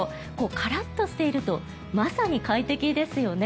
カラッとしているとまさに快適ですよね。